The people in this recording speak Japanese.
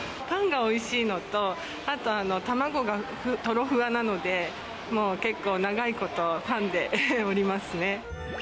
パンがおいしいのと、あと卵がとろふわなので、もう、結構長いことファンでおりますね。